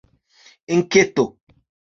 enketo